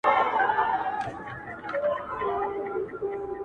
د همغو هيوادونو ارزښتونه دي